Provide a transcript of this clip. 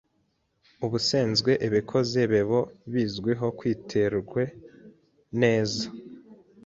ubusenzwe ebekozi bebo bezwiho kwitwere neze